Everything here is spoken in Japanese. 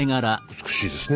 美しいですね。